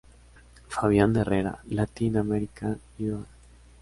Fabián Herrera: Latin American Idol.